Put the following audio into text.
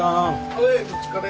・ほいお疲れ。